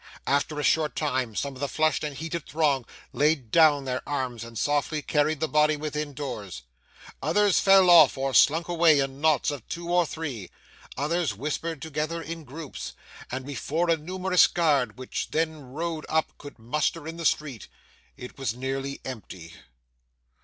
After a short time some of the flushed and heated throng laid down their arms and softly carried the body within doors. Others fell off or slunk away in knots of two or three, others whispered together in groups, and before a numerous guard which then rode up could muster in the street, it was nearly empty.